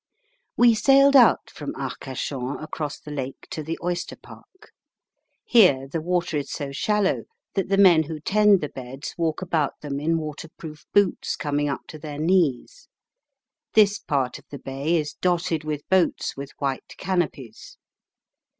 We sailed out from Arcachon across the lake to the oyster park. Here the water is so shallow that the men who tend the beds walk about them in waterproof boots coming up to their knees. This part of the bay is dotted with boats with white canopies.